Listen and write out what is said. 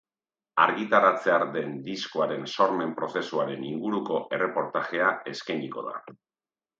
Argitaratzear den diskoaren sormen prozesuaren inguruko erreportajea eskainiko da.